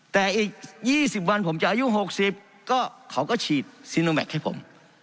แต่อีก๒๐วันผมจะอายุ๖๐ก็เขาก็ฉีดซีโนแมคให้ผม